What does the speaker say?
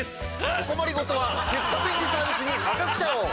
お困り事は手塚便利サービスに任せちゃおう！